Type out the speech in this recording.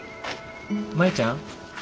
舞ちゃん。